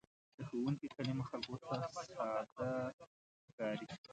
د ښوونکي کلمه خلکو ته ساده ښکاري.